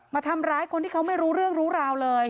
มาทำร้ายคนที่เขาไม่รู้เรื่องรู้ราวเลย